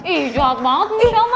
ih jahat banget nih selma